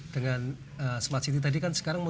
dengan smart city tadi kan sekarang